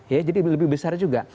ya jadi lebih besar juga